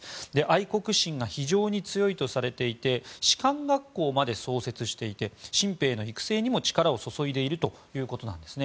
愛国心が非常に強いとされていて士官学校まで創設していて新兵の育成にも力を注いでいるということなんです。